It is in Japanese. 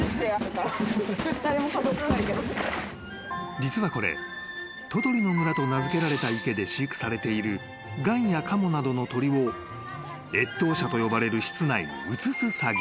［実はこれととりの村と名付けられた池で飼育されているガンやカモなどの鳥を越冬舎と呼ばれる室内に移す作業］